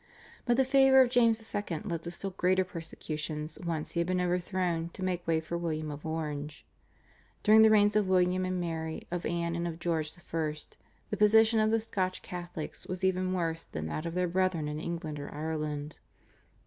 But the favour of James II. led to still greater persecutions once he had been overthrown to make way for William of Orange. During the reigns of William and Mary, of Anne and of George I. the position of the Scotch Catholics was even worse than that of their brethren in England or Ireland.